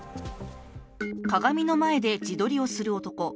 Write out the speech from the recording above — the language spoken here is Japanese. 鏡の前で自撮りをする男。